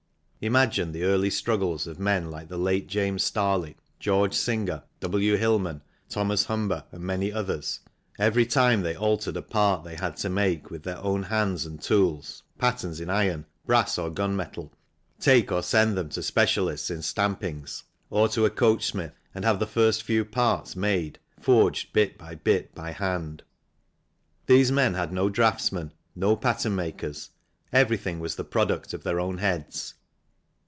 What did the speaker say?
Imagine the early struggles of men like the late James Starley, George Singer, W. Hillman, Thos. Humber, and many others, every time they altered a part they had to make, with their own hands and tools, patterns in iron, brass, or gun metal, take or send them to specialists in stampings, or to a coachsmith, and have the first few parts made, forged bit by bit by hand. These men had no draughtsmen, no pattern makers, everything was the product of their own heads.